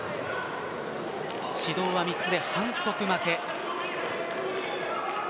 指導は３つで反則負け。